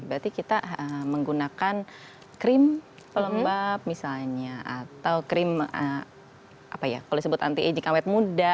berarti kita menggunakan krim pelembab misalnya atau krim apa ya kalau disebut anti agik awet muda